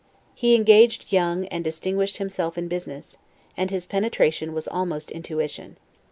He engaged young, and distinguished himself in business; and his penetration was almost intuition.